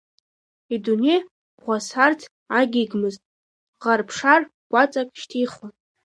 Идунеи ӷәасарц агьигмызт, ӷар-ԥшар гәаҵак шьҭихуан.